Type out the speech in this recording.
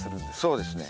そうですね。